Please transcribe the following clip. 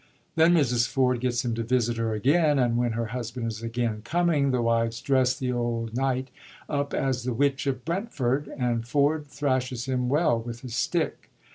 Then Mrs. Ford gets him to visit her again ; and when her husband is again coming, the wives dress the old knight up as the Witch of Brentford, and Ford thrashes him well with his stick.